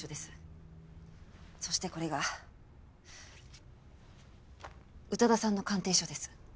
そしてこれが宇多田さんの鑑定書です。